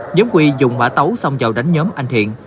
nhóm huy dùng bã tấu xong vào đánh nhóm anh thiện